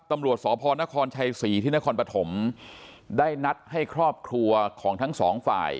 ตำรวจสพนครชัยศรีที่นครปฐมได้นัดให้ครอบครัวของทั้งสองฝ่าย